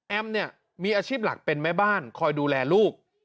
เนี่ยมีอาชีพหลักเป็นแม่บ้านคอยดูแลลูก